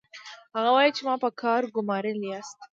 هغه وايي چې ما په کار ګومارلي یاست